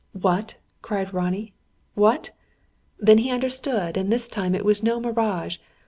"What?" cried Ronnie. "What?" Then he understood; and, this time, it was no mirage.